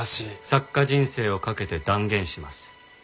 作家人生をかけて断言します。